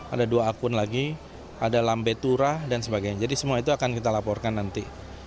ada dua akun lagi ada lambetura dan sebagainya jadi semua itu akan kita laporkan nanti